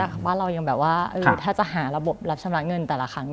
บ้านเรายังแบบว่าถ้าจะหาระบบรับชำระเงินแต่ละครั้ง